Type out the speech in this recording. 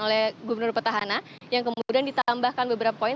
oleh gubernur petahana yang kemudian ditambahkan beberapa poin